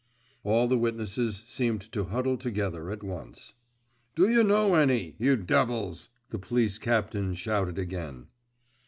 All the witnesses seemed to huddle together at once. 'Do you know any, you devils?' the police captain shouted again.